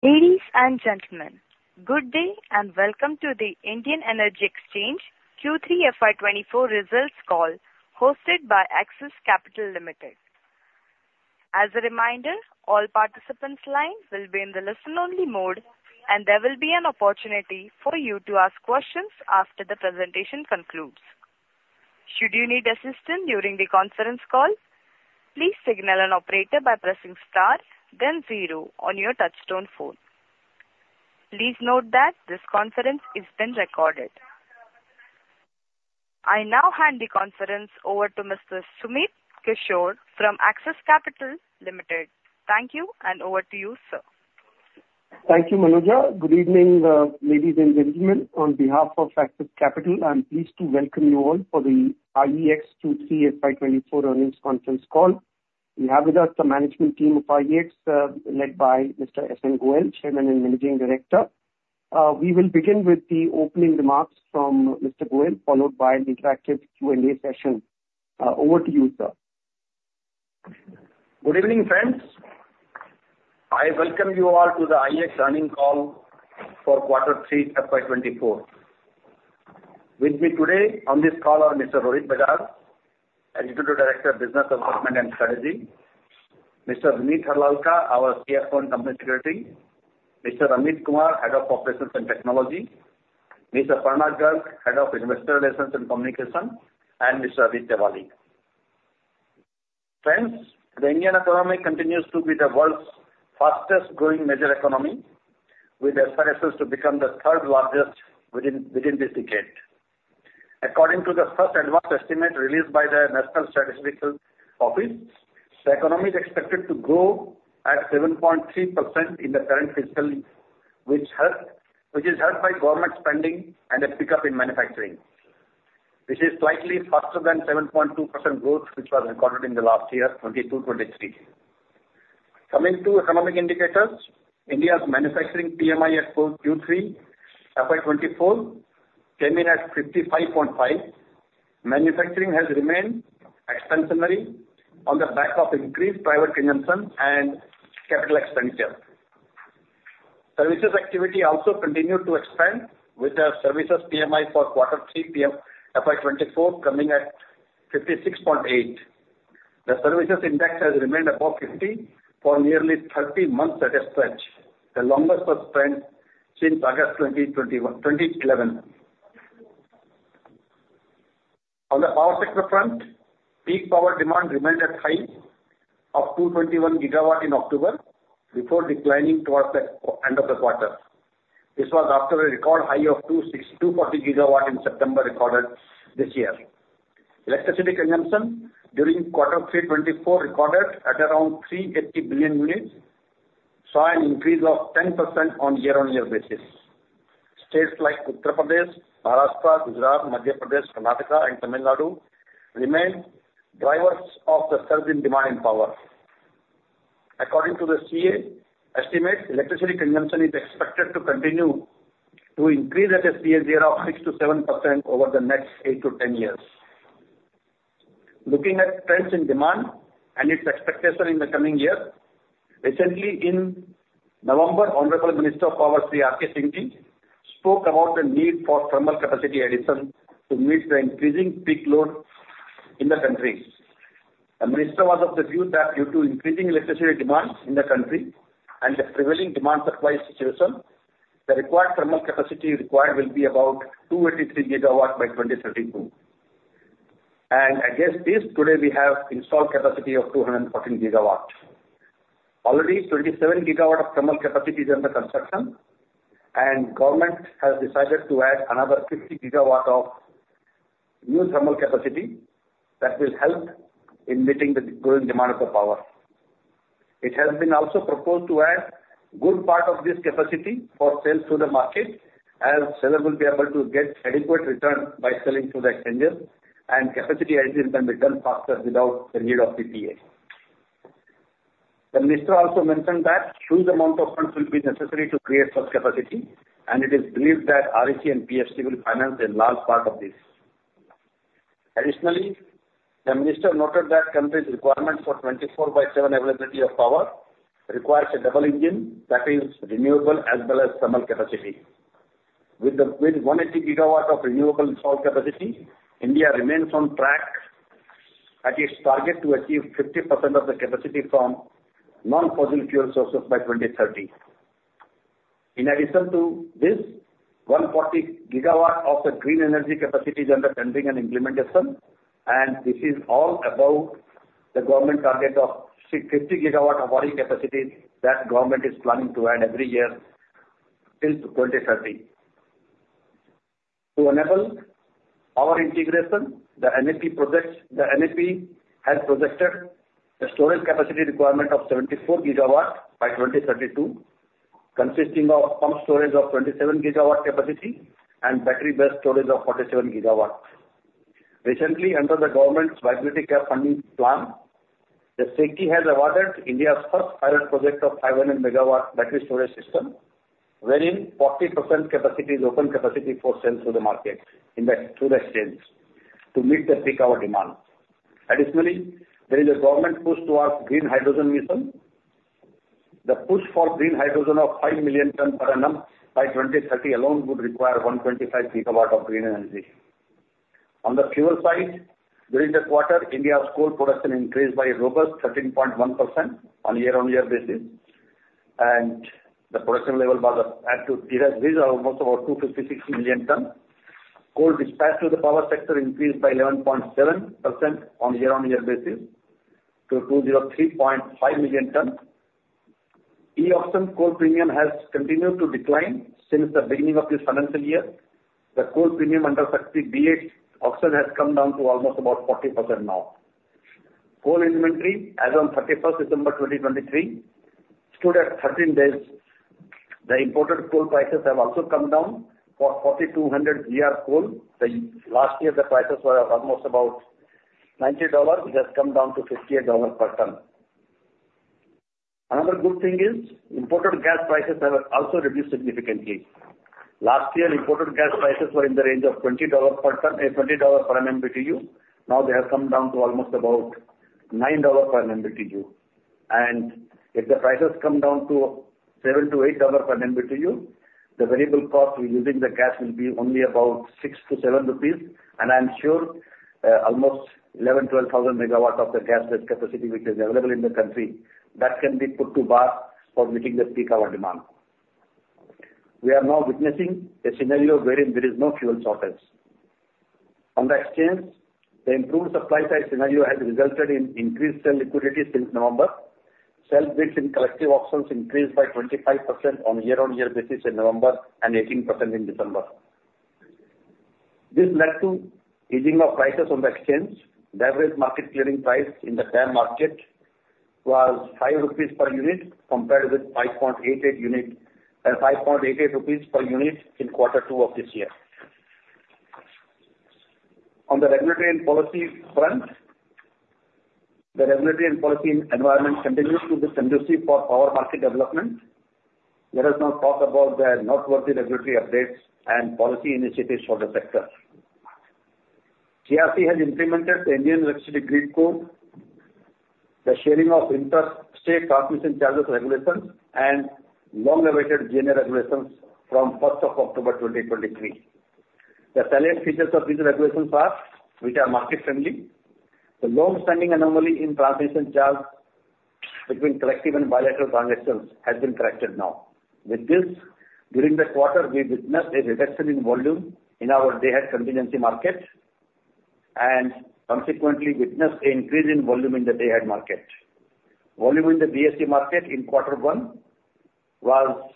Ladies and gentlemen, good day, and welcome to the Indian Energy Exchange Q3 FY 2024 results call, hosted by Axis Capital Limited. As a reminder, all participants' lines will be in the listen-only mode, and there will be an opportunity for you to ask questions after the presentation concludes. Should you need assistance during the conference call, please signal an operator by pressing star then zero on your touch-tone phone. Please note that this conference is being recorded. I now hand the conference over to Mr. Sumit Kishore from Axis Capital Limited. Thank you, and over to you, sir. Thank you, Manoj. Good evening, ladies and gentlemen. On behalf of Axis Capital, I'm pleased to welcome you all for the IEX Q3 FY 2024 earnings conference call. We have with us the management team of IEX, led by Mr. S.N. Goel, Chairman and Managing Director. We will begin with the opening remarks from Mr. Goel, followed by an interactive Q&A session. Over to you, sir. Good evening, friends. I welcome you all to the IEX earnings call for quarter three, FY 2024. With me today on this call are Mr. Rohit Bajaj, Executive Director of Business Development and Strategy; Mr. Vineet Harlalka, our CFO and Company Secretary; Mr. Amit Kumar, Head of Operations and Technology; Mr. Pranav Garg, Head of Investor Relations and Communication; and Mr. Aditya Dar. Friends, the Indian economy continues to be the world's fastest growing major economy, with aspirations to become the third largest within this decade. According to the first advanced estimate released by the National Statistical Office, the economy is expected to grow at 7.3% in the current fiscal, which is helped by government spending and a pickup in manufacturing. This is slightly faster than 7.2% growth, which was recorded in the last year, 2022, 2023. Coming to economic indicators, India's manufacturing PMI for Q3 FY 2024 came in at 55.5. Manufacturing has remained expansionary on the back of increased private consumption and capital expenditure. Services activity also continued to expand, with the services PMI for quarter three FY 2024 coming at 56.8. The services index has remained above 50 for nearly 30 months at a stretch, the longest sustained since August 2021... 2011. On the power sector front, peak power demand remained at high up to 21 GW in October before declining towards the end of the quarter. This was after a record high of 262.4 GW in September recorded this year. Electricity consumption during quarter three 2024, recorded at around 380 billion units, saw an increase of 10% on year-on-year basis. States like Uttar Pradesh, Maharashtra, Gujarat, Madhya Pradesh, Karnataka and Tamil Nadu remain drivers of the surge in demand in power. According to the CEA estimate, electricity consumption is expected to continue to increase at a CAGR of 6%-7% over the next 8-10 years. Looking at trends in demand and its expectation in the coming year, recently in November, Honorable Minister of Power, R.K. Singh, spoke about the need for thermal capacity addition to meet the increasing peak load in the country. The minister was of the view that due to increasing electricity demand in the country and the prevailing demand supply situation, the required thermal capacity required will be about 283 GW by 2032. Against this, today we have installed capacity of 214 GW. Already, 27 GW of thermal capacity is under construction, and government has decided to add another 50 GW of new thermal capacity that will help in meeting the growing demand of the power. It has been also proposed to add good part of this capacity for sale to the market, as seller will be able to get adequate return by selling to the exchange, and capacity addition can be done faster without the need of PPA. The minister also mentioned that huge amount of funds will be necessary to create such capacity, and it is believed that REC and PFC will finance a large part of this. Additionally, the minister noted that country's requirement for 24x7 availability of power requires a double engine that is renewable as well as thermal capacity. With 180 GW of renewable installed capacity, India remains on track at its target to achieve 50% of the capacity from non-fossil fuel sources by 2030. In addition to this, 140 GW of the green energy capacity is under planning and implementation, and this is all above the government target of 50 GW of adding capacity that government is planning to add every year till 2030. To enable our integration, the NEP has projected a storage capacity requirement of 74 GW by 2032, consisting of pump storage of 27 GW capacity and battery-based storage of 47 GW. Recently, under the government's viability gap funding plan, the SECI has awarded India's first pilot project of 500 MW battery storage system. wherein 40% capacity is open capacity for sale to the market in the, through the exchange to meet the peak hour demand. Additionally, there is a government push towards green hydrogen mission. The push for green hydrogen of 5 million tons per annum by 2030 alone would require 125 GW of green energy. On the fuel side, during the quarter, India's coal production increased by a robust 13.1% on year-over-year basis, and the production level was at, it has reached almost about 256 million tons. Coal dispatched to the power sector increased by 11.7% on year-over-year basis to 203.5 million tons. E-auction coal premium has continued to decline since the beginning of this financial year. The coal premium under SHAKTI auction has come down to almost about 40% now. Coal inventory as on 31st December 2023, stood at 13 days. The imported coal prices have also come down. For 4,200 GR coal, the last year the prices were almost about $90, it has come down to $58 per ton. Another good thing is imported gas prices have also reduced significantly. Last year, imported gas prices were in the range of twenty dollars per ton, twenty dollar per MMBtu, now they have come down to almost about $9 per MMBtu. And if the prices come down to $7-$8 per MMBtu, the variable cost of using the gas will be only about 6-7 rupees, and I am sure, almost 11,000-12,000 MW of the gas-based capacity which is available in the country, that can be put on bar for meeting the peak hour demand. We are now witnessing a scenario wherein there is no fuel shortage. On the exchange, the improved supply side scenario has resulted in increased sell liquidity since November. Sell bids in collective auctions increased by 25% on year-on-year basis in November and 18% in December. This led to easing of prices on the exchange. Average market clearing price in the DAM market was 5 rupees per unit, compared with 5.88 per unit in quarter two of this year. On the regulatory and policy front, the regulatory and policy environment continues to be conducive for power market development. Let us now talk about the noteworthy regulatory updates and policy initiatives for the sector. CERC has implemented the Indian Electricity Grid Code, the sharing of inter-state transmission charges regulations, and long-awaited GNA regulations from October 1, 2023. The salient features of these regulations are, which are market friendly, the long-standing anomaly in transmission charge between collective and bilateral transactions has been corrected now. With this, during the quarter, we witnessed a reduction in volume in our Day-Ahead Contingency market, and consequently witnessed an increase in volume in the Day-Ahead Market. Volume in the DAC market in quarter one was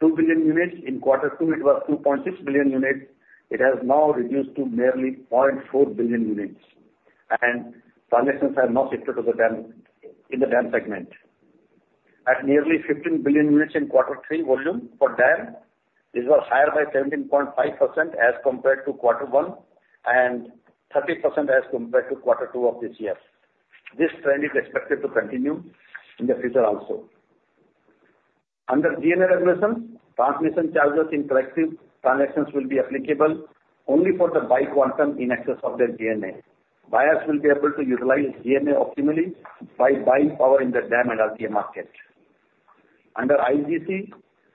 2 billion units, in quarter two it was 2.6 billion units, it has now reduced to merely 0.4 billion units, and transactions have now shifted to the DAM, in the DAM segment. At nearly 15 billion units in quarter three volume for DAM, these were higher by 17.5% as compared to quarter one, and 30% as compared to quarter two of this year. This trend is expected to continue in the future also. Under GNA regulations, transmission charges in collective transactions will be applicable only for the buy quantum in excess of their GNA. Buyers will be able to utilize GNA optimally by buying power in the DAM and RTM market. Under IEGC,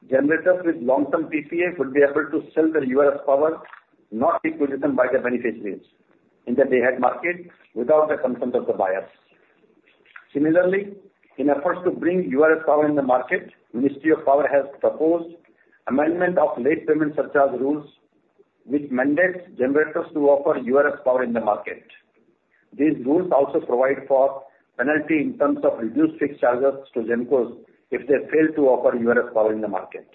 generators with long-term PPA will be able to sell the URS power not requisitioned by the beneficiaries in the day-ahead market without the consent of the buyers. Similarly, in efforts to bring URS power in the market, Ministry of Power has proposed amendment of late payment surcharge rules, which mandates generators to offer URS power in the market. These rules also provide for penalty in terms of reduced fixed charges to GenCos if they fail to offer URS power in the market.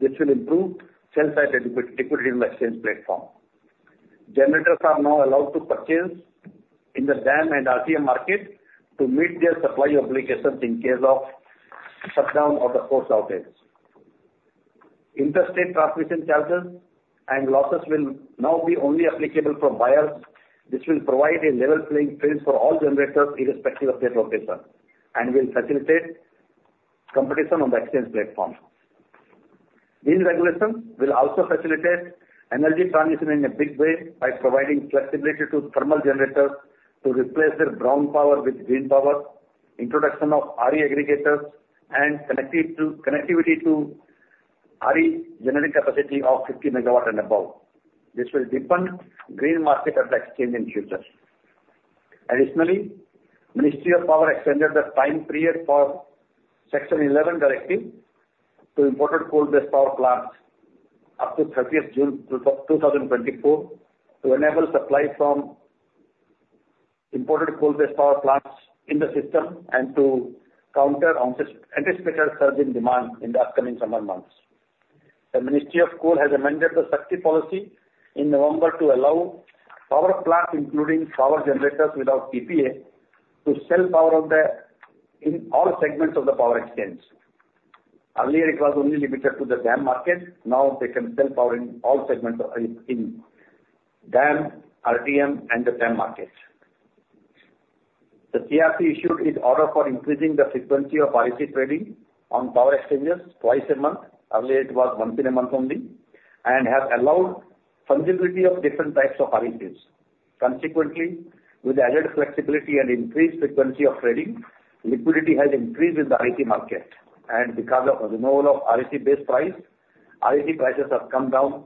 This will improve sell-side liqui ity in the exchange platform. Generators are now allowed to purchase in the DAM and RTM market to meet their supply obligations in case of shutdown or the forced outages. Interstate transmission charges and losses will now be only applicable for buyers, which will provide a level playing field for all generators irrespective of their location, and will facilitate competition on the exchange platform. These regulations will also facilitate energy transition in a big way by providing flexibility to thermal generators to replace their brown power with green power, introduction of RE aggregators, and connectivity to RE generating capacity of 50 MW and above. This will deepen green market at the exchange in future. Additionally, Ministry of Power extended the time period for Section 11 directive to imported coal-based power plants up to 30th June 2024, to enable supply from imported coal-based power plants in the system and to counter anticipated surge in demand in the upcoming summer months. The Ministry of Coal has amended the SHAKTI policy in November to allow power plants, including power generators without PPA, to sell power on the in all segments of the power exchange. Earlier, it was only limited to the DAM market, now they can sell power in all segments, in DAM, RTM and the TAM market. The CERC issued its order for increasing the frequency of REC trading on power exchanges twice a month. Earlier, it was once in a month only, and have allowed fungibility of different types of RECs. Consequently, with added flexibility and increased frequency of trading, liquidity has increased in the REC market, and because of the removal of REC base price, REC prices have come down.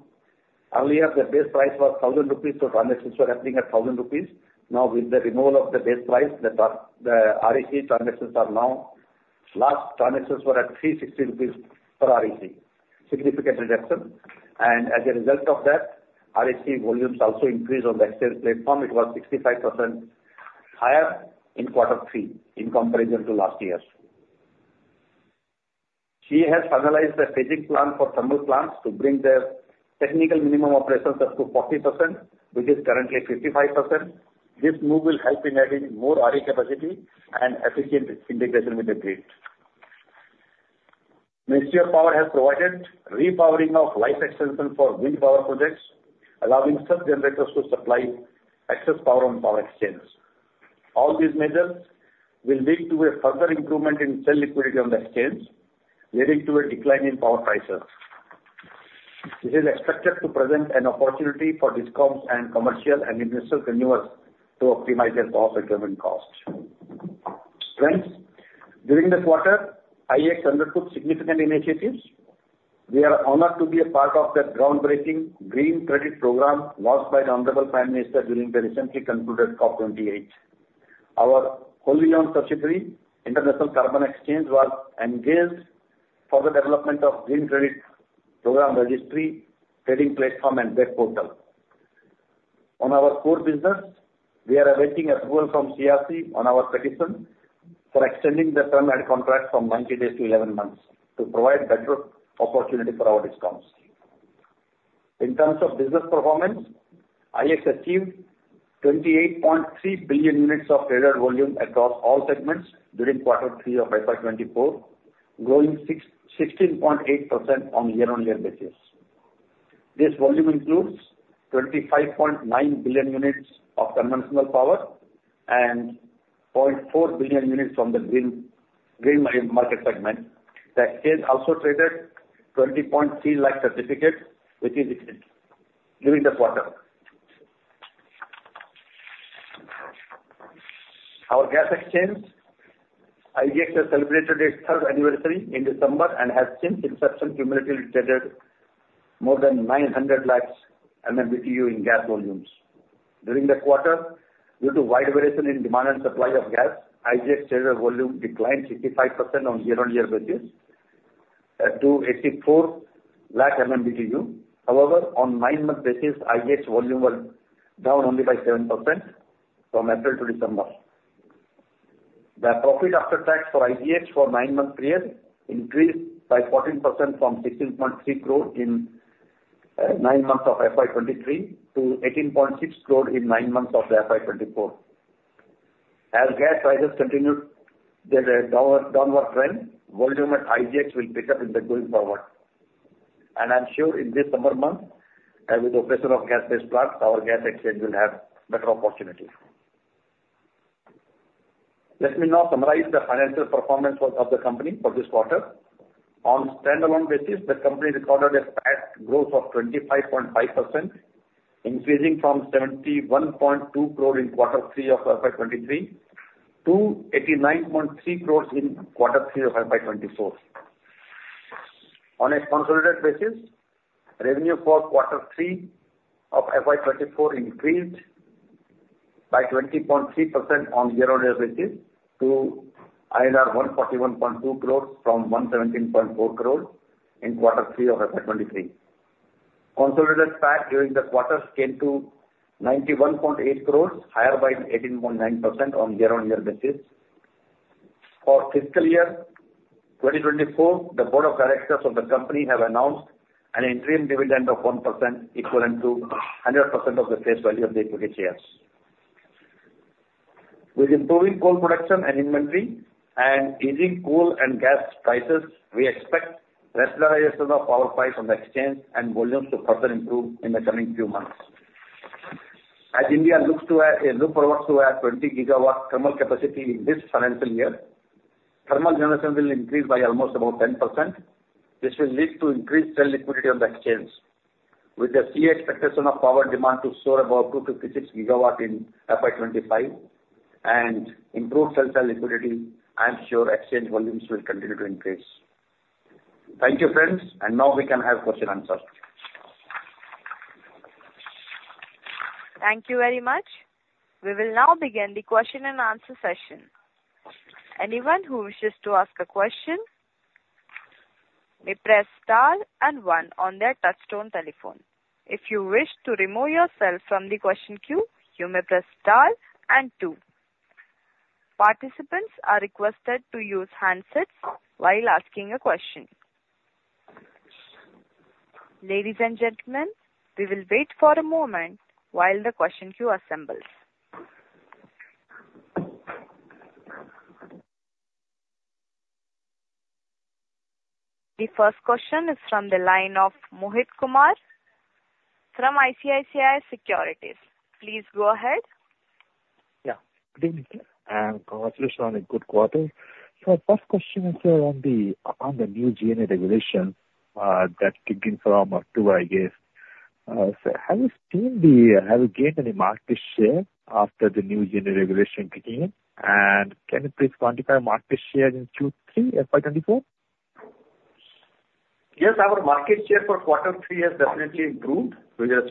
Earlier, the base price was 1,000 rupees, so transactions were happening at 1,000 rupees. Now, with the removal of the base price, the REC transactions are now – last transactions were at 360 rupees per REC. Significant reduction, and as a result of that, REC volumes also increased on the exchange platform. It was 65% higher in quarter three in comparison to last year. CEA has finalized the phasing plan for thermal plants to bring their technical minimum operations up to 40%, which is currently at 55%. This move will help in adding more RE capacity and efficient integration with the grid. Ministry of Power has provided repowering of life extension for wind power projects, allowing such generators to supply excess power on power exchanges. All these measures will lead to a further improvement in sell liquidity on the exchange, leading to a decline in power prices. This is expected to present an opportunity for DISCOMs and commercial and industrial consumers to optimize their power procurement costs. Friends, during this quarter, IEX undertook significant initiatives. We are honored to be a part of the groundbreaking Green Credit Program launched by Honorable Prime Minister during the recently concluded COP28. Our wholly-owned subsidiary, International Carbon Exchange, was engaged for the development of green credit program registry, trading platform, and web portal. On our core business, we are awaiting approval from CERC on our petition for extending the term and contract from 90 days to 11 months to provide better opportunity for our DISCOMs. In terms of business performance, IEX achieved 28.3 billion units of traded volume across all segments during quarter three of FY 2024, growing 16.8% on year-on-year basis. This volume includes 25.9 billion units of conventional power and 0.4 billion units from the green market segment. The exchange also traded 20.3 lakh certificates, which is during the quarter. Our gas exchange, IGX, celebrated its third anniversary in December and has since inception cumulatively traded more than 900 lakh MMBtu in gas volumes. During the quarter, due to wide variation in demand and supply of gas, IGX traded volume declined 65% on year-on-year basis to 84 lakh MMBtu. However, on nine-month basis, IGX volume was down only by 7% from April to December. The profit after tax for IGX for nine-month period increased by 14% from 16.3 crore in nine months of FY 2023 to 18.6 crore in nine months of FY 2024. As gas prices continue their downward trend, volume at IGX will pick up in the going forward. And I'm sure in this summer month, and with the operation of gas-based plants, our gas exchange will have better opportunities. Let me now summarize the financial performance of the company for this quarter. On standalone basis, the company recorded a PAT growth of 25.5%, increasing from 71.2 crore in quarter three of FY 2023 to 89.3 crore in quarter three of FY 2024. On a consolidated basis, revenue for quarter 3 of FY 2024 increased by 20.3% on year-on-year basis to 141.2 crores from 117.4 crore in quarter 3 of FY 2023. Consolidated PAT during the quarter came to 91.8 crores, higher by 18.9% on year-on-year basis. For fiscal year 2024, the Board of Directors of the company have announced an interim dividend of 1%, equivalent to 100% of the face value of the equity shares. With improving coal production and inventory and easing coal and gas prices, we expect rationalization of power price on the exchange and volumes to further improve in the coming few months. As India looks to look forward to a 20 GW thermal capacity in this financial year, thermal generation will increase by almost about 10%. This will lead to increased sell liquidity on the exchange. With the CEA's expectation of power demand to soar above 256 GW in FY25 and improved sell-side liquidity, I'm sure exchange volumes will continue to increase. Thank you, friends, and now we can have question answer. Thank you very much. We will now begin the question and answer session. Anyone who wishes to ask a question may press star and one on their touchtone telephone. If you wish to remove yourself from the question queue, you may press star and two. Participants are requested to use handsets while asking a question. Ladies and gentlemen, we will wait for a moment while the question queue assembles.... The first question is from the line of Mohit Kumar from ICICI Securities. Please go ahead. Yeah. Good evening, and congratulations on a good quarter. So first question is, sir, on the new GNA regulation that kicked in from October, I guess. So have you gained any market share after the new GNA regulation kicking in? And can you please quantify market share in Q3 FY 2024? Yes, our market share for quarter three has definitely improved, because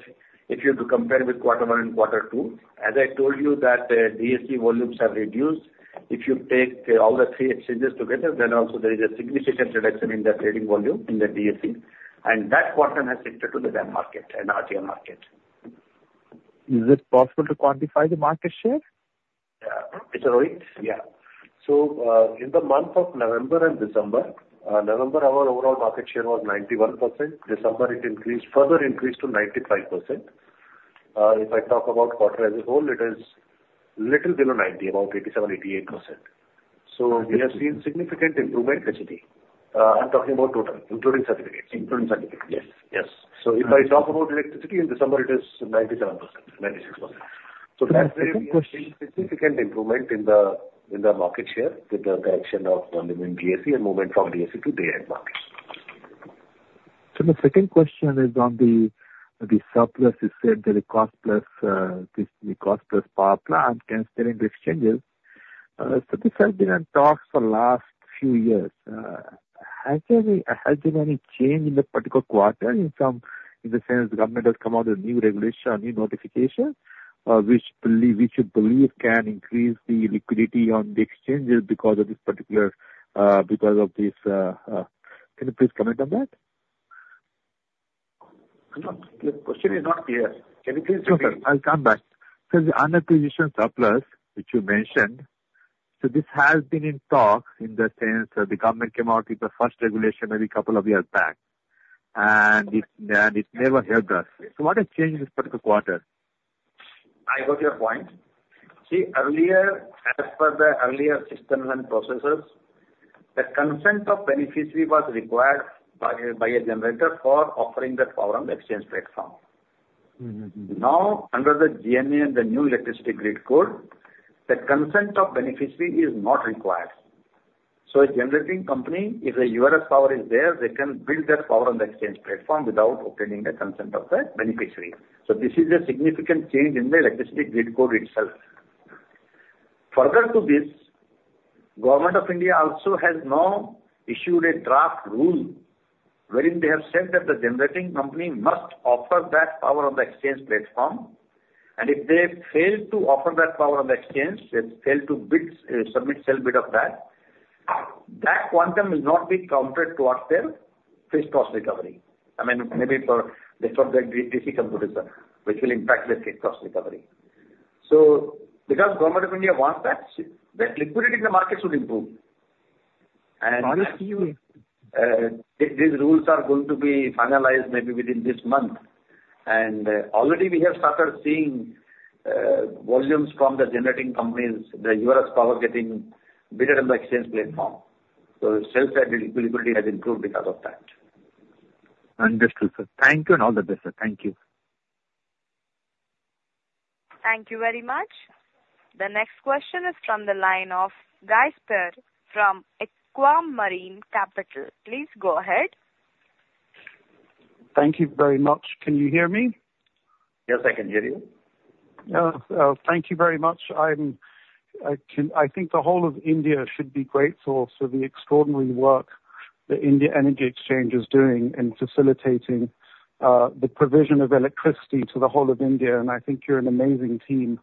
if you have to compare with quarter one and quarter two, as I told you, that, DAC volumes have reduced. If you take, all the three exchanges together, then also there is a significant reduction in the trading volume in the DAC, and that quantum has shifted to the day market and RTM market. Is it possible to quantify the market share? It's all right. Yeah. So, in the month of November and December, November, our overall market share was 91%. December, it increased, further increased to 95%. If I talk about quarter as a whole, it is little below 90, about 87, 88%. So we have seen significant improvement recently. I'm talking about total, including certificates. Including certificates. Yes. Yes. So if I talk about electricity, in December, it is 97%, 96%. The second question- Significant improvement in the market share with the auction of volume in DAC and movement from DAC to Day-Ahead Market. So the second question is on the surplus you said, the cost-plus, the cost-plus power plant transferring to the exchanges. So this has been in talks for last few years. Has there been any change in the particular quarter, in the sense the government has come out with new regulation, new notification, which you believe can increase the liquidity on the exchanges because of this particular, because of this. Can you please comment on that? The question is not clear. Can you please repeat? Okay, I'll come back. So the un-requisitioned surplus, which you mentioned, so this has been in talk in the sense that the government came out with the first regulation maybe couple of years back, and it never helped us. So what has changed in this particular quarter? I got your point. See, earlier, as per the earlier systems and processes, the consent of beneficiary was required by a generator for offering that power on the exchange platform Now, under the GNA and the new Indian Electricity Grid Code, the consent of beneficiary is not required. So a generating company, if the URS power is there, they can bid that power on the exchange platform without obtaining the consent of the beneficiary. So this is a significant change in the electricity grid code itself. Further to this, Government of India also has now issued a draft rule wherein they have said that the generating company must offer that power on the exchange platform, and if they fail to offer that power on the exchange, they fail to bid, submit sell bid of that quantum will not be counted towards their fixed cost recovery. I mean, maybe for, based on the ERC computation, which will impact the fixed cost recovery. So because Government of India wants that, the liquidity in the market should improve. When do you- These rules are going to be finalized maybe within this month. Already we have started seeing volumes from the generating companies, the URS power getting bigger than the exchange platform. It's self-evident, liquidity has improved because of that. Understood, sir. Thank you, and all the best, sir. Thank you. Thank you very much. The next question is from the line of Guy Spier from Aquamarine Capital. Please go ahead. Thank you very much. Can you hear me? Yes, I can hear you. Thank you very much. I think the whole of India should be grateful for the extraordinary work the Indian Energy Exchange is doing in facilitating the provision of electricity to the whole of India, and I think you're an amazing team.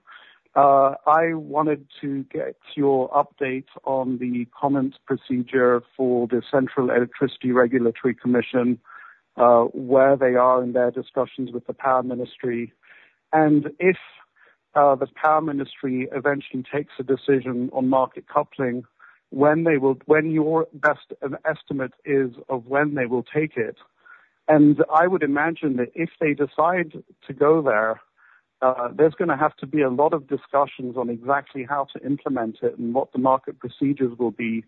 I wanted to get your update on the comments procedure for the Central Electricity Regulatory Commission, where they are in their discussions with the Ministry of Power. If the Ministry of Power eventually takes a decision on market coupling, when they will—when your best estimate is of when they will take it. I would imagine that if they decide to go there, there's gonna have to be a lot of discussions on exactly how to implement it and what the market procedures will be,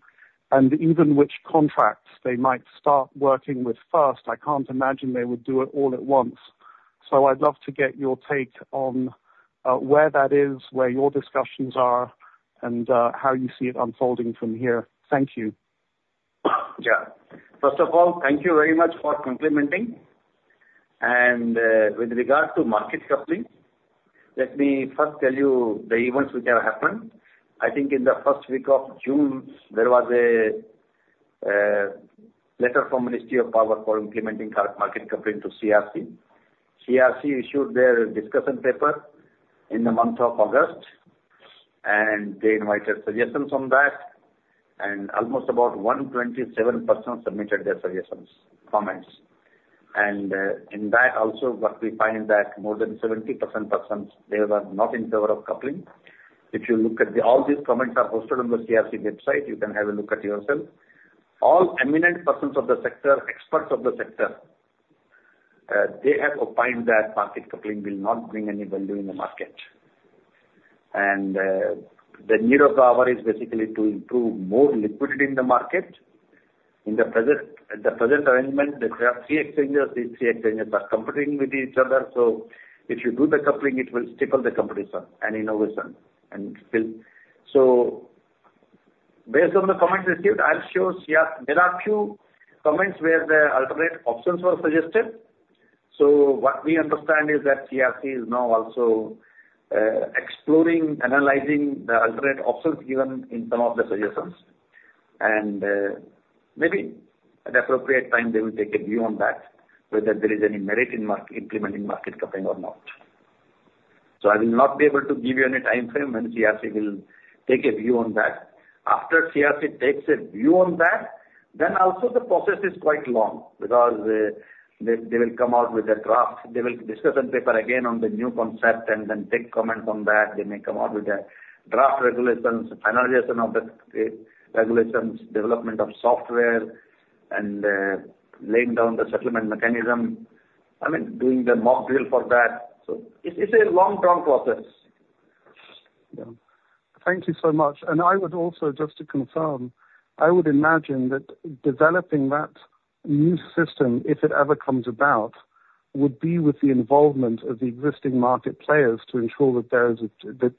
and even which contracts they might start working with first. I can't imagine they would do it all at once. So I'd love to get your take on where that is, where your discussions are, and how you see it unfolding from here. Thank you. Yeah. First of all, thank you very much for complimenting. And with regard to market coupling, let me first tell you the events which have happened. I think in the first week of June, there was a letter from Ministry of Power for implementing current market coupling to CRC. CRC issued their discussion paper in the month of August, and they invited suggestions on that, and almost about 127% submitted their suggestions, comments. And in that also what we find that more than 70% persons, they were not in favor of coupling. If you look at the... All these comments are hosted on the CRC website, you can have a look at yourself. All eminent persons of the sector, experts of the sector... they have opined that market coupling will not bring any value in the market. The need of the hour is basically to improve more liquidity in the market. In the present arrangement, there are three exchanges. These three exchanges are competing with each other, so if you do the coupling, it will stifle the competition and innovation and still. Based on the comments received, I'm sure CERC, there are few comments where the alternate options were suggested. What we understand is that CERC is now also exploring, analyzing the alternate options given in some of the suggestions. Maybe at the appropriate time they will take a view on that, whether there is any merit in implementing Market Coupling or not. I will not be able to give you any timeframe when CERC will take a view on that. After CERC takes a view on that, then also the process is quite long, because, they, they will come out with a draft. They will discussion paper again on the new concept and then take comments on that. They may come out with a draft regulations, finalization of the, the regulations, development of software and, laying down the settlement mechanism. I mean, doing the mock drill for that, so it's, it's a long-term process. Yeah. Thank you so much. I would also, just to confirm, I would imagine that developing that new system, if it ever comes about, would be with the involvement of the existing market players to ensure that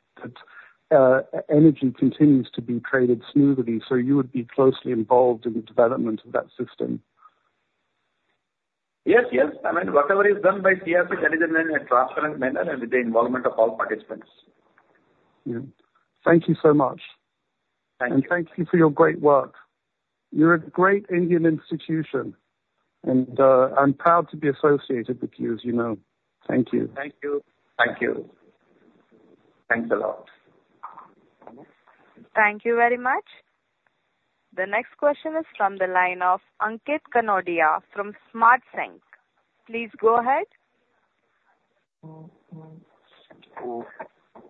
energy continues to be traded smoothly. So you would be closely involved in the development of that system? Yes, yes. I mean, whatever is done by CERC, that is done in a transparent manner and with the involvement of all participants. Yeah. Thank you so much. Thank you. Thank you for your great work. You're a great Indian institution, and, I'm proud to be associated with you, as you know. Thank you. Thank you. Thank you. Thanks a lot. Thank you very much. The next question is from the line of Ankit Kanodia, from Smart Sync. Please go ahead.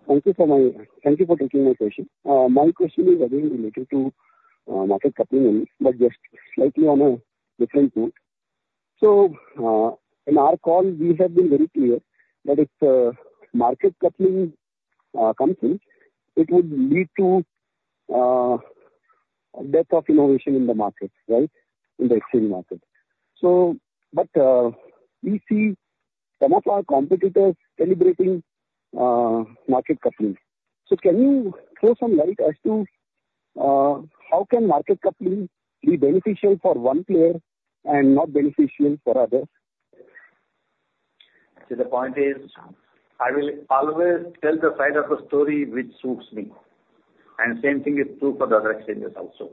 Thank you for taking my question. My question is again related to Market Coupling, but just slightly on a different note. So, in our call, we have been very clear that if Market Coupling comes in, it would lead to depth of innovation in the market, right? In the exchange market. But we see some of our competitors celebrating Market Coupling. So can you throw some light as to how Market Coupling can be beneficial for one player and not beneficial for others? So the point is, I will always tell the side of the story which suits me, and same thing is true for the other exchanges also.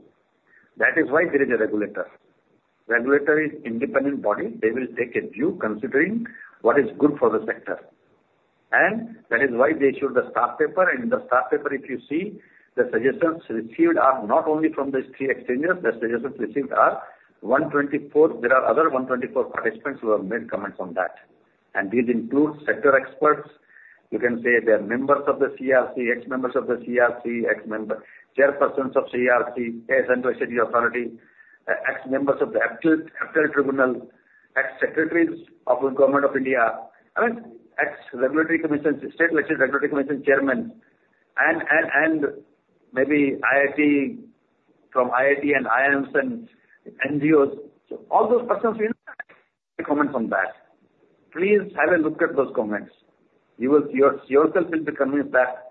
That is why there is a regulator. Regulator is independent body. They will take a view considering what is good for the sector, and that is why they issued the staff paper. In the staff paper, if you see, the suggestions received are not only from these three exchangers, the suggestions received are 124. There are other 124 participants who have made comments on that, and these include sector experts. You can say they are members of the CRC, ex-members of the CRC, ex-members, chairpersons of CRC, Central Electricity Authority, ex-members of the Appellate Tribunal, ex-secretaries of the Government of India. I mean, ex-regulatory commission, state regulatory commission chairman, and maybe IIT, from IIT and IIMs and NGOs. So all those persons, you know, comments on that. Please have a look at those comments. You will yourself be convinced that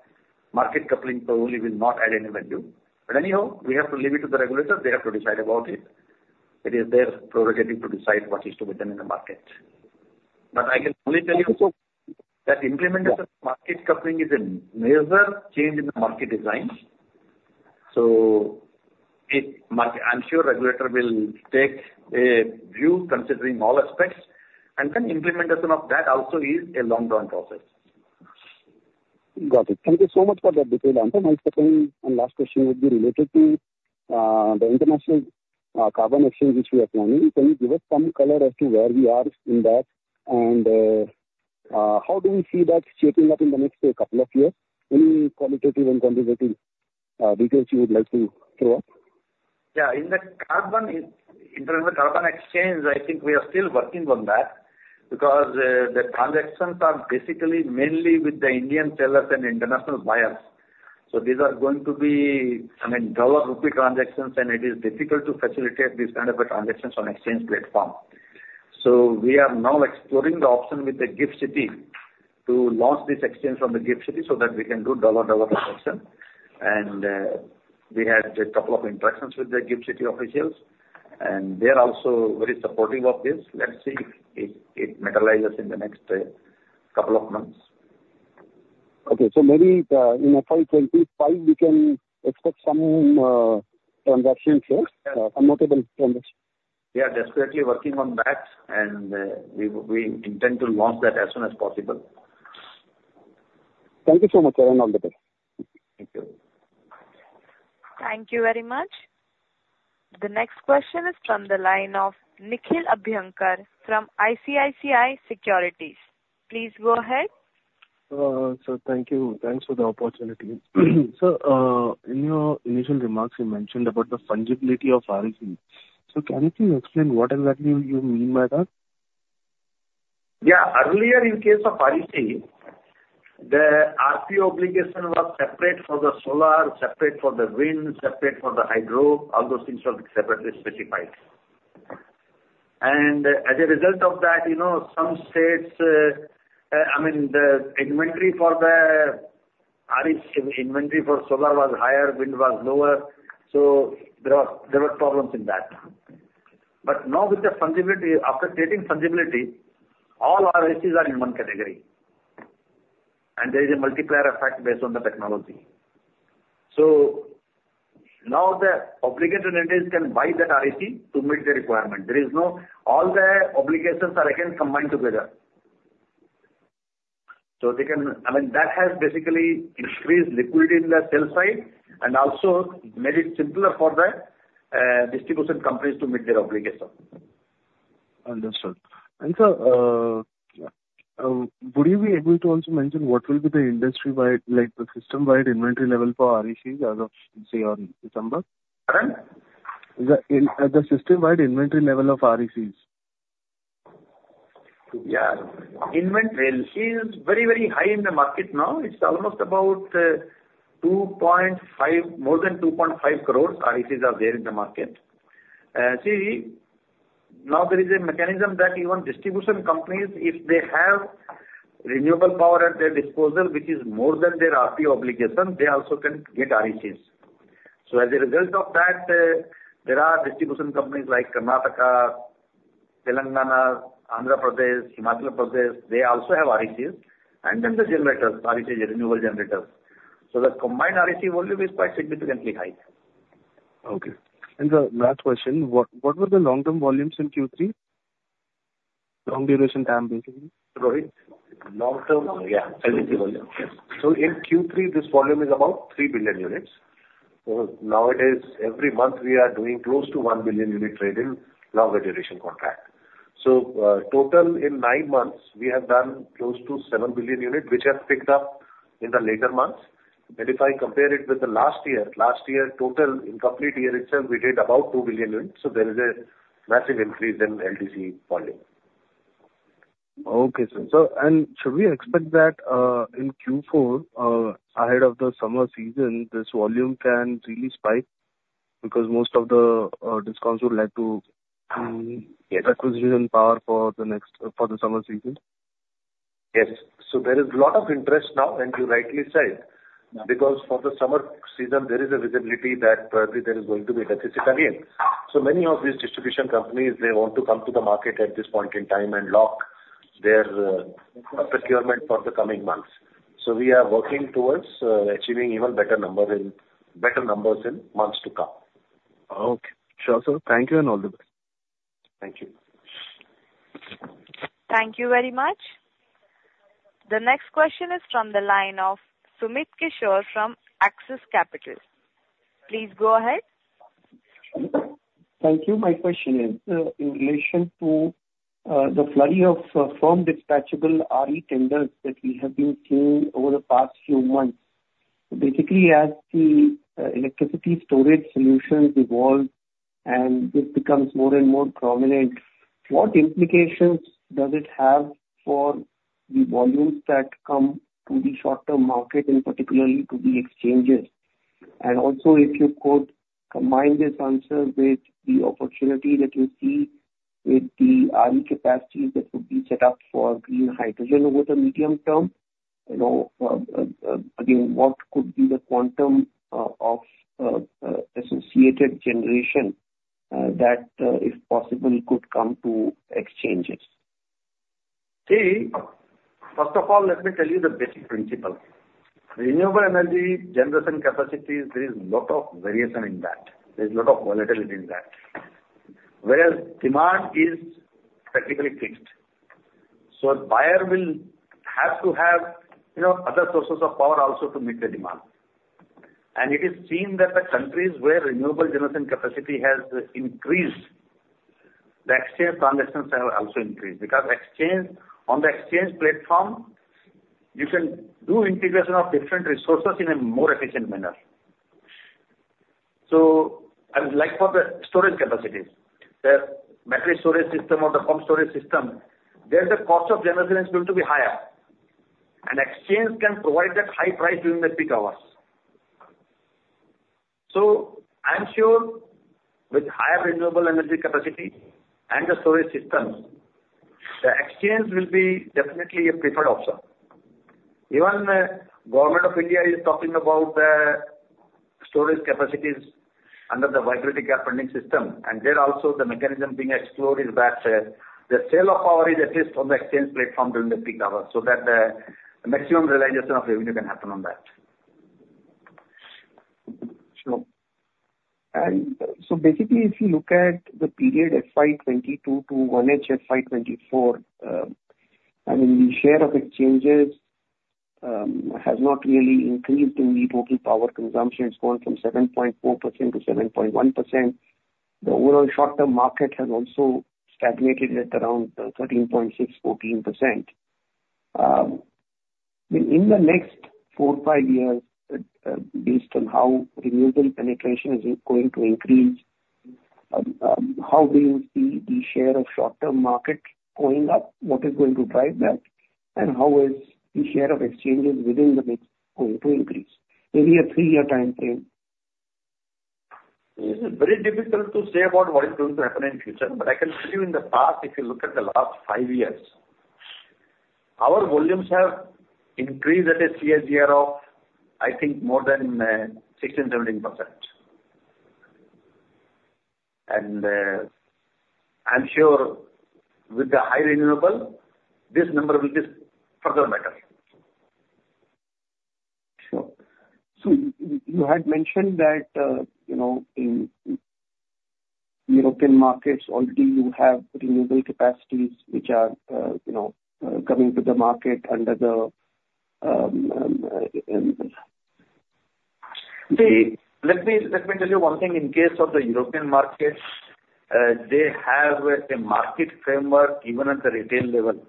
Market Coupling probably will not add any value. But anyhow, we have to leave it to the regulator. They have to decide about it. It is their prerogative to decide what is to be done in the market. But I can only tell you that implementation of Market Coupling is a major change in the market design, so it must. I'm sure regulator will take a view considering all aspects, and then implementation of that also is a long-term process. Got it. Thank you so much for that detail, Ankur. My second and last question would be related to the International Carbon Exchange, which we are planning. Can you give us some color as to where we are in that? And how do you see that shaping up in the next couple of years? Any qualitative and quantitative details you would like to throw up? Yeah, in terms of carbon exchange, I think we are still working on that, because the transactions are basically mainly with the Indian sellers and international buyers. So these are going to be, I mean, dollar-rupee transactions, and it is difficult to facilitate these kind of a transactions on exchange platform. So we are now exploring the option with the GIFT City, to launch this exchange from the GIFT City so that we can do dollar-dollar transaction. And we had a couple of interactions with the GIFT City officials, and they are also very supportive of this. Let's see if it materializes in the next couple of months. Okay. So maybe, in the FY 25, we can expect some transactions here? Yeah. A notable transaction. We are desperately working on that, and we intend to launch that as soon as possible. Thank you so much, and all the best. Thank you. Thank you very much. The next question is from the line of Nikhil Abhyankar from ICICI Securities. Please go ahead.... so thank you. Thanks for the opportunity. So, in your initial remarks, you mentioned about the fungibility of REC. So can you please explain what exactly you mean by that? Yeah. Earlier, in case of REC, the RP obligation was separate for the solar, separate for the wind, separate for the hydro. All those things were separately specified. And as a result of that, you know, some states, I mean, the inventory for the RE, inventory for solar was higher, wind was lower, so there were, there were problems in that. But now with the fungibility, after creating fungibility, all RECs are in one category, and there is a multiplier effect based on the technology. So now the obligation entities can buy that REC to meet the requirement. There is no. All their obligations are again combined together. So they can... I mean, that has basically increased liquidity in the sell side, and also made it simpler for the distribution companies to meet their obligation. Understood. And, sir, would you be able to also mention what will be the industry-wide, like, the system-wide inventory level for RECs as of, say, on December? Pardon? The system-wide inventory level of RECs. Yeah. Inventory is very, very high in the market now. It's almost about 2.5, more than 2.5 crores RECs are there in the market. See, now there is a mechanism that even distribution companies, if they have renewable power at their disposal, which is more than their RP obligation, they also can get RECs. So as a result of that, there are distribution companies like Karnataka, Telangana, Andhra Pradesh, Himachal Pradesh, they also have RECs, and then the generators, REC renewable generators. So the combined REC volume is quite significantly high. Okay. Last question: What were the long-term volumes in Q3? Long duration time, basically. Sorry. Long-term? Yeah. LDC volume. So in Q3, this volume is about 3 billion units. So nowadays, every month we are doing close to 1 billion unit trade in longer duration contract. So, total in nine months, we have done close to 7 billion units, which has picked up in the later months. And if I compare it with the last year, last year, total in complete year itself, we did about 2 billion units, so there is a massive increase in LDC volume. Okay, sir. So, and should we expect that, in Q4, ahead of the summer season, this volume can really spike, because most of the, discounts would like to- Um, yes. Acquiring power for the next, for the summer season? Yes. So there is a lot of interest now, and you rightly said. Yeah. Because for the summer season, there is a visibility that there is going to be deficit again. So many of these distribution companies, they want to come to the market at this point in time and lock their procurement for the coming months. So we are working towards achieving even better number in, better numbers in months to come. Okay. Sure, sir. Thank you, and all the best. Thank you. Thank you very much. The next question is from the line of Sumit Kishore from Axis Capital. Please go ahead. Thank you. My question is in relation to the flurry of firm dispatchable RE tenders that we have been seeing over the past few months. Basically, as the electricity storage solutions evolve and this becomes more and more prominent, what implications does it have for the volumes that come to the short-term market, and particularly to the exchanges? And also, if you could combine this answer with the opportunity that you see with the RE capacity that would be set up for green hydrogen over the medium term, you know, again, what could be the quantum of associated generation that, if possible, could come to exchanges? See, first of all, let me tell you the basic principle. Renewable energy generation capacities, there is a lot of variation in that. There's a lot of volatility in that, whereas demand is practically fixed. So a buyer will have to have, you know, other sources of power also to meet the demand. And it is seen that the countries where renewable generation capacity has increased, the exchange transactions have also increased, because exchange, on the exchange platform, you can do integration of different resources in a more efficient manner. So, and like for the storage capacities, the battery storage system or the home storage system, there the cost of generation is going to be higher, and exchange can provide that high price during the peak hours. So I am sure with higher renewable energy capacity and the storage systems, the exchange will be definitely a preferred option. Even the Government of India is talking about the storage capacities under the Viability Gap Funding system, and there also, the mechanism being explored is that, the sale of power is at least on the exchange platform during the peak hours, so that the maximum realization of revenue can happen on that. Sure. Basically, if you look at the period FY22 to FY24, I mean, the share of exchanges has not really increased in the total power consumption. It's gone from 7.4% to 7.1%. The overall short term market has also stagnated at around 13.6%-14%. In the next 4-5 years, based on how renewable penetration is going to increase, how do you see the share of short term market going up? What is going to drive that? And how is the share of exchanges within the mix going to increase? Maybe a 3-year time frame. It is very difficult to say about what is going to happen in future, but I can tell you in the past, if you look at the last five years, our volumes have increased at a CAGR of, I think more than 16%-17%. And I'm sure with the high renewable, this number will be further better. Sure. So you had mentioned that, you know, in European markets already you have renewable capacities which are, you know, coming to the market under the, See, let me, let me tell you one thing. In case of the European markets, they have a market framework even at the retail level,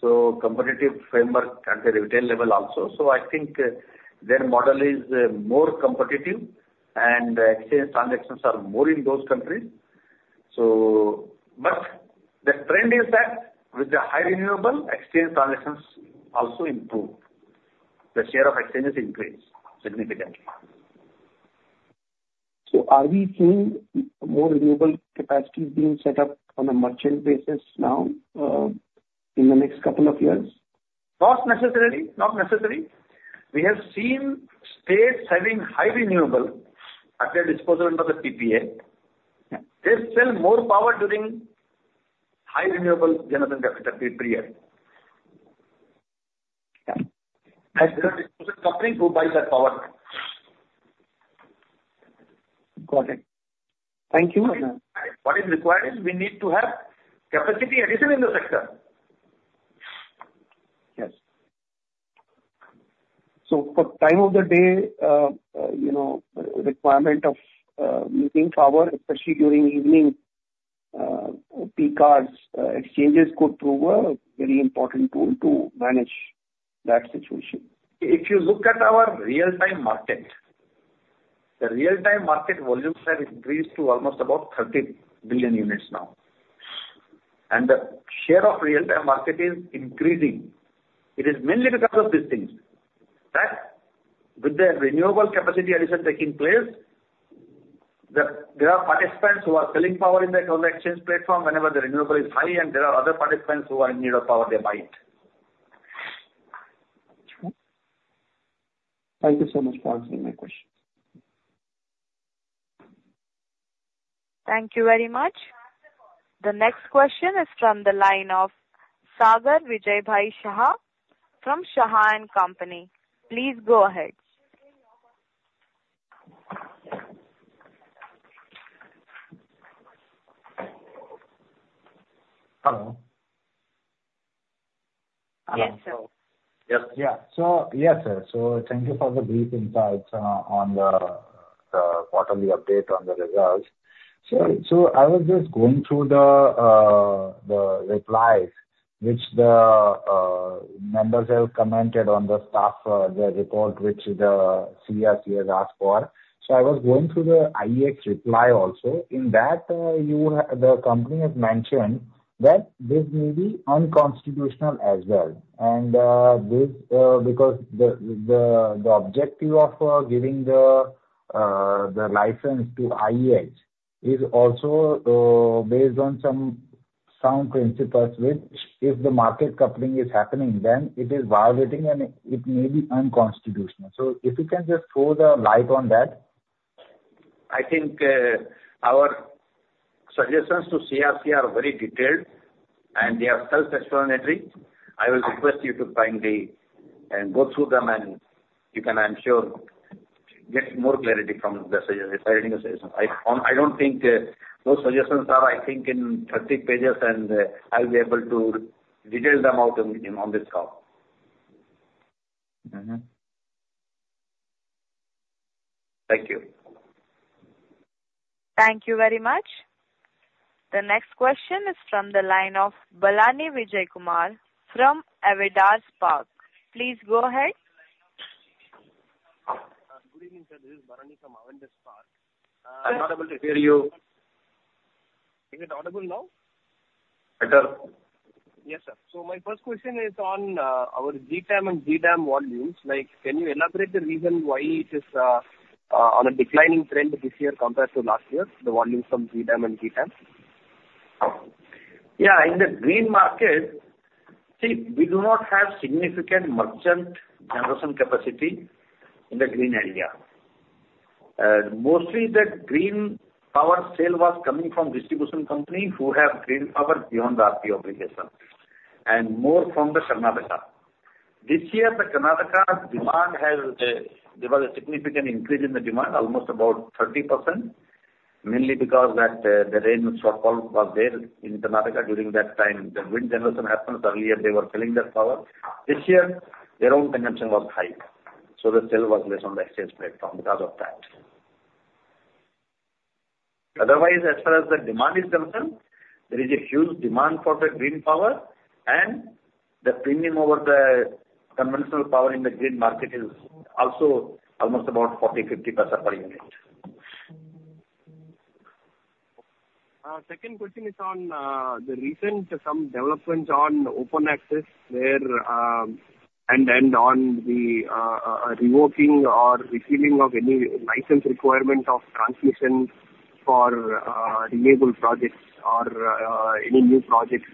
so competitive framework at the retail level also. So I think, their model is, more competitive, and exchange transactions are more in those countries. So... But the trend is that with the high renewable, exchange transactions also improve. The share of exchanges increase significantly. So are we seeing more renewable capacities being set up on a merchant basis now, in the next couple of years? Not necessarily. Not necessary. We have seen states having high renewable at their disposal under the PPA. Yeah. They sell more power during high renewable generation capacity per year. Yeah. There are distribution company who buys that power. Got it. Thank you. What is required is, we need to have capacity addition in the sector. Yes. So for time of the day, you know, requirement of using power, especially during evening peak hours, exchanges could prove a very important tool to manage that situation. If you look at our Real-Time Market, the Real-Time Market volumes have increased to almost about 30 billion units now, and the share of Real-Time Market is increasing. It is mainly because of these things, that with the renewable capacity addition taking place, there are participants who are selling power in the external exchange platform whenever the renewable is high, and there are other participants who are in need of power, they buy it. Okay. Thank you so much for answering my questions. Thank you very much. The next question is from the line of Sagar Vijaybhai Shah from Shah Company. Please go ahead. Hello? Yes, sir. Yes. Yeah. So, yes, sir. So thank you for the brief insights on the quarterly update on the results. So I was just going through the replies which the members have commented on the staff report which the CERC has asked for. So I was going through the IEX reply also. In that, you have... The company has mentioned that this may be unconstitutional as well, and this, because the objective of giving the license to IEX is also based on some sound principles, which, if the market coupling is happening, then it is violating, and it may be unconstitutional. So if you can just throw the light on that. I think, our suggestions to CERC are very detailed, and they are self-explanatory. I will request you to kindly go through them, and you can, I'm sure, get more clarity from the suggestion, by reading the suggestion. I, I don't think those suggestions are, I think, in 30 pages, and I'll be able to detail them out in on this call. Mm-hmm. Thank you. Thank you very much. The next question is from the line of B. Vijaykumar from Avendus Spark. Please go ahead. Good evening, sir. This is B. Vijaykumar from Avendus Spark. I'm not able to hear you. Is it audible now? Better. Yes, sir. So my first question is on our GTAM and GDAM volumes. Like, can you elaborate the reason why it is on a declining trend this year compared to last year, the volumes from GDAM and GTAM? Yeah, in the green market, see, we do not have significant merchant generation capacity in the green area. Mostly the green power sale was coming from distribution company, who have green power beyond the RP obligation, and more from the Karnataka. This year, the Karnataka demand has, there was a significant increase in the demand, almost about 30%, mainly because that, the rain shortfall was there in Karnataka during that time. The wind generation happens earlier, they were selling their power. This year, their own consumption was high, so the sale was less on the exchange platform because of that. Otherwise, as far as the demand is concerned, there is a huge demand for the green power, and the premium over the conventional power in the green market is also almost about 0.40-0.50 per unit. Second question is on the recent some developments on open access, where and on the revoking or refilling of any license requirement of transmission for renewable projects or any new projects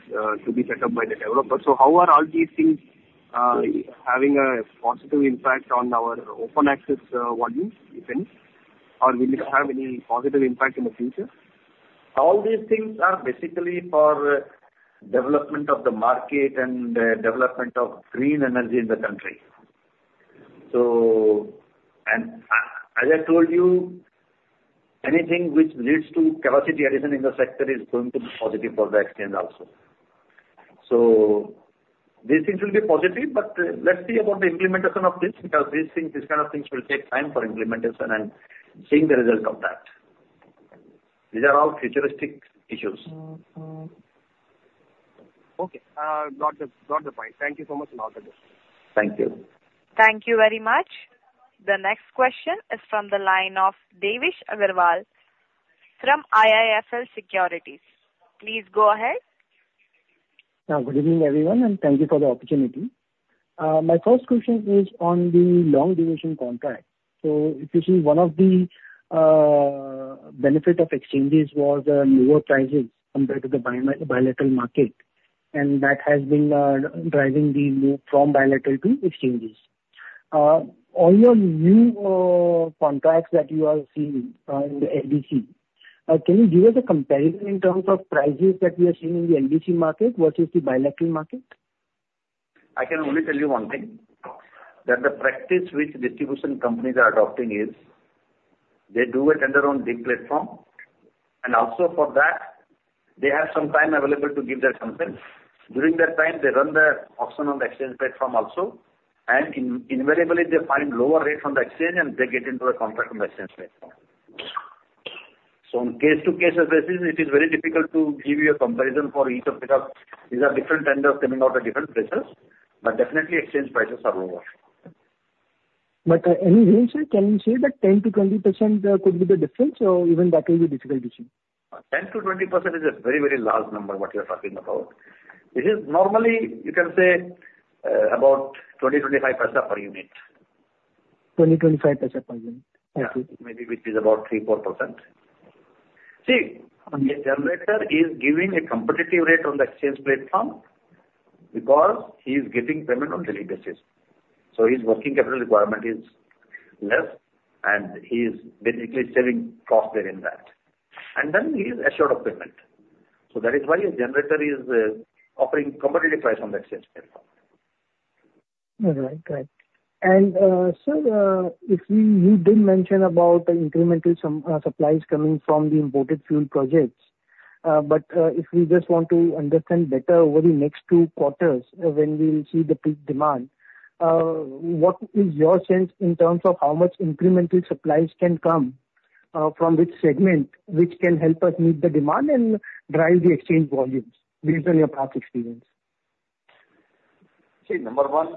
to be set up by the developers. So how are all these things having a positive impact on our open access volumes, you think? Or will it have any positive impact in the future? All these things are basically for development of the market and development of green energy in the country. So... and as I told you, anything which leads to capacity addition in the sector is going to be positive for the exchange also. So these things will be positive, but let's see about the implementation of this, because these things, these kind of things will take time for implementation and seeing the result of that. These are all futuristic issues. Mm-hmm. Okay, got the, got the point. Thank you so much and all the best. Thank you. Thank you very much. The next question is from the line of Devesh Agarwal from IIFL Securities. Please go ahead. Good evening, everyone, and thank you for the opportunity. My first question is on the long duration contract. So if you see one of the benefit of exchanges was lower prices compared to the bilateral market, and that has been driving the move from bilateral to exchanges. All your new contracts that you are seeing on the LDC, can you give us a comparison in terms of prices that we are seeing in the LDC market versus the bilateral market? I can only tell you one thing, that the practice which distribution companies are adopting is they do a tender on the platform, and also for that they have some time available to give that consent. During that time, they run the auction on the exchange platform also, and, invariably, they find lower rate on the exchange, and they get into the contract on the exchange platform. So on case-to-case basis, it is very difficult to give you a comparison for each of them, because these are different vendors coming out at different prices, but definitely exchange prices are lower. Any range, sir? Can we say that 10%-20% could be the difference or even that will be difficult to say? 10%-20% is a very, very large number what you are talking about. It is normally, you can say, about INR 0.20-0.25 per unit. INR 0.20-INR 0.25 per unit? Yeah. Okay. Maybe, which is about 3-4%. See- Okay. A generator is giving a competitive rate on the exchange platform because he is getting payment on daily basis. So his working capital requirement is less, and he is basically saving cost there in that. And then he is assured of payment. So that is why a generator is offering competitive price on the exchange platform. All right. Great. And, sir, if we... You did mention about the incremental some, supplies coming from the imported fuel projects, but, if we just want to understand better over the next two quarters, when we will see the peak demand, what is your sense in terms of how much incremental supplies can come, from which segment, which can help us meet the demand and drive the exchange volumes based on your past experience? See, number one,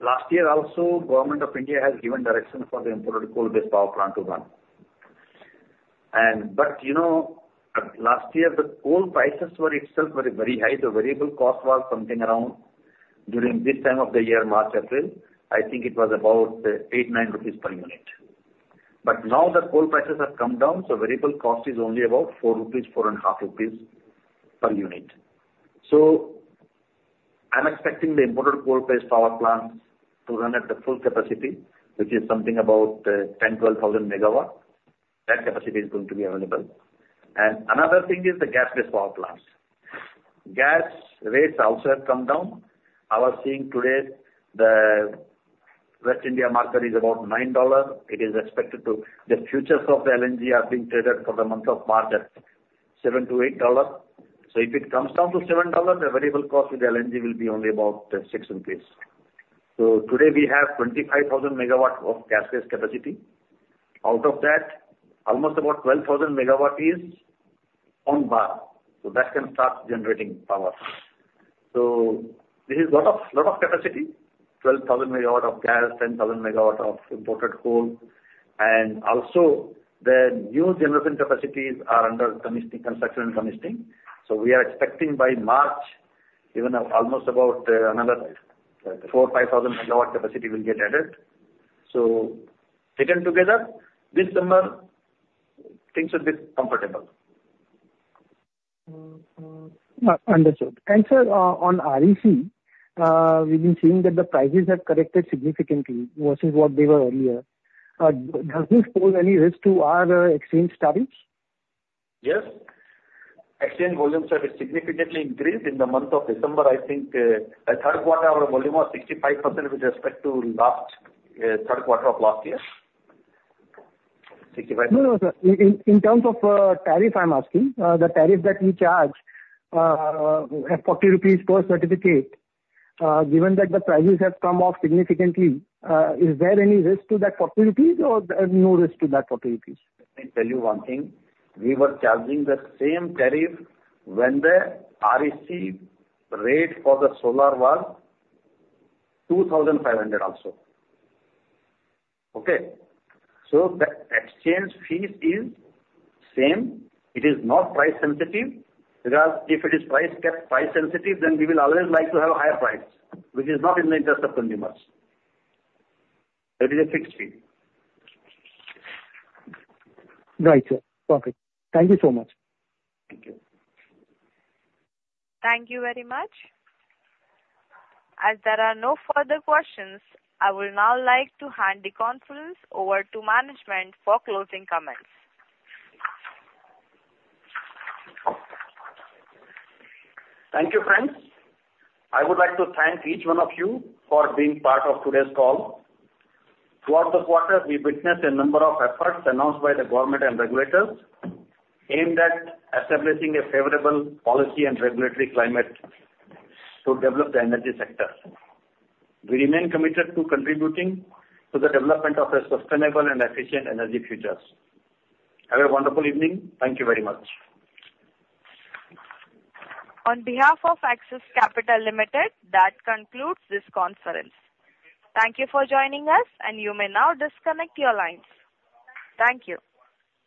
last year also, Government of India has given direction for the imported coal-based power plant to run. And, but, you know, last year, the coal prices were itself very, very high. The variable cost was something around, during this time of the year, March, April, I think it was about 8-9 rupees per unit. But now the coal prices have come down, so variable cost is only about 4 INR-4.5 INR per unit. So I'm expecting the imported coal-based power plants to run at the full capacity, which is something about 10,000-12,000 megawatts. That capacity is going to be available. And another thing is the gas-based power plants. Gas rates also have come down. I was seeing today the West India market is about $9. It is expected to... The futures of the LNG are being traded for the month of March at $7-$8. So if it comes down to $7, the variable cost with LNG will be only about six rupees. So today we have 25,000 MW of gas-based capacity. Out of that, almost about 12,000 MW is on bar, so that can start generating power. So this is lot of, lot of capacity, 12,000 MW of gas, 10,000 MW of imported coal, and also the new generation capacities are under commissioning, construction and commissioning. So we are expecting by March, even now, almost about another 4,000-5,000 MW capacity will get added. So taken together, this summer, things will be comfortable.. Understood. And sir, on REC, we've been seeing that the prices have corrected significantly versus what they were earlier. Does this hold any risk to our exchange tariffs? Yes. Exchange volumes have significantly increased in the month of December. I think, the third quarter, our volume was 65% with respect to last, third quarter of last year. 65- No, no, sir. In terms of tariff, I'm asking. The tariff that we charge at 40 rupees per certificate, given that the prices have come off significantly, is there any risk to that INR 40 or there's no risk to that INR 40? Let me tell you one thing. We were charging the same tariff when the REC rate for the solar was 2,500 also. Okay? So the exchange fee is same. It is not price sensitive, because if it is price sensitive, then we will always like to have higher price, which is not in the interest of consumers. It is a fixed fee. Right, sir. Perfect. Thank you so much. Thank you. Thank you very much. As there are no further questions, I will now like to hand the conference over to management for closing comments. Thank you, friends. I would like to thank each one of you for being part of today's call. Throughout this quarter, we've witnessed a number of efforts announced by the government and regulators aimed at establishing a favorable policy and regulatory climate to develop the energy sector. We remain committed to contributing to the development of a sustainable and efficient energy futures. Have a wonderful evening. Thank you very much. On behalf of Axis Capital Limited, that concludes this conference. Thank you for joining us, and you may now disconnect your lines. Thank you.